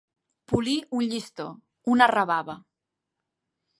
Polir un llistó, una rebava.